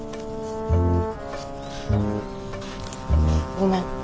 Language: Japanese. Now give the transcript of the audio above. ごめん。